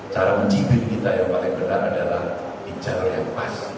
cara menjibir kita yang paling benar adalah di jalur yang pas